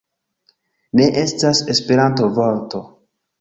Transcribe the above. Ne estas Esperanto-vorto